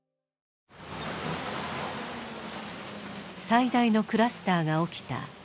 最大のクラスターが起きた作業所です。